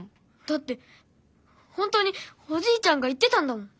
だって本当におじいちゃんが言ってたんだもん！